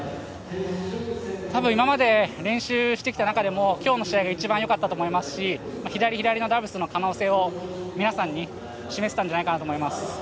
多分、今まで練習してきた中でも今日の試合が一番良かったと思いますし左左の可能性を皆さんに示せたんじゃないかと思います。